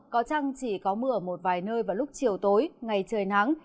có chăng chỉ có mưa ở một vài nơi vào lúc chiều tối ngày trời nắng